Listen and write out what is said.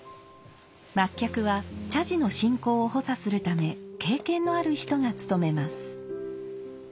末客は茶事の進行を補佐するため経験のある人がつとめます。